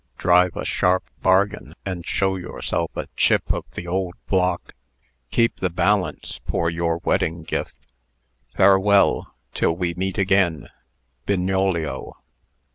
Drive a sharp bargain, and show yourself a chip of the old block. Keep the balance for your wedding gift. Farewell till we meet again. Bignolio.